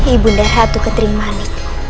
ibu darhatu ketrimani